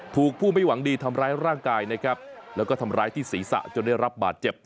ถูกผู้ไม่หวังดีทำร้ายร่างกายนะครับแล้วก็ทำร้ายที่ศีรษะจนได้รับบาดเจ็บ